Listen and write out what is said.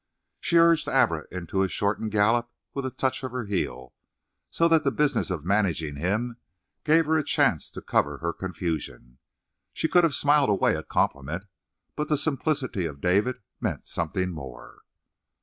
She urged Abra into a shortened gallop with a touch of her heel, so that the business of managing him gave her a chance to cover her confusion. She could have smiled away a compliment, but the simplicity of David meant something more.